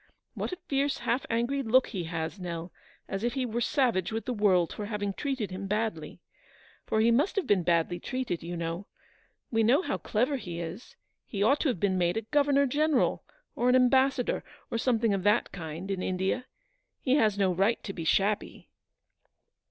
What a fierce, half angry look he has, Xell, as if he were savage with the world for having treated him badly. For he must have been badly treated, you know. TTe know how clever he is. He ought to have been made a governor general, or an ambassador, or something of that kind, in India. He has no right to be shabby."